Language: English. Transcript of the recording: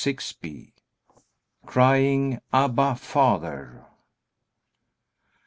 Crying, Abba, Father.